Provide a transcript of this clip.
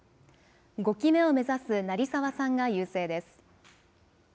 ５期目を目指す成沢さんが優勢です。